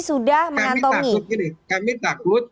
sudah mengantongi kami takut